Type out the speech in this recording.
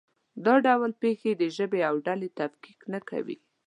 دا ډول پېښې د ژبې او ډلې تفکیک نه کوي.